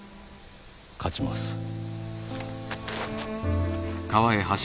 勝ちます。